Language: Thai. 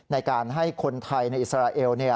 ในการให้คนไทยในอิสราเอล